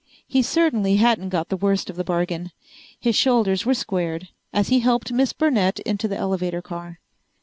He certainly hadn't got the worst of the bargain! His shoulders were squared as he helped Miss Burnett into the elevator car.